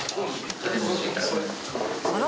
あら？